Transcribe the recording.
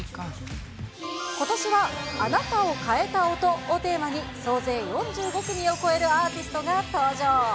ことしは、あなたを変えた音をテーマに、総勢４５組を超えるアーティストが登場。